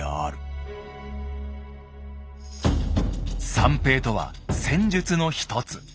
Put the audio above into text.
散兵とは戦術の一つ。